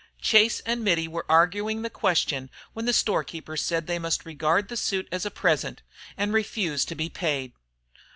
Chase and Mittie were arguing the question when the storekeeper said they must regard the suit as a present, and refused to be paid.